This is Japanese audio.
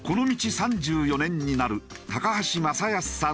３４年になる橋雅泰さん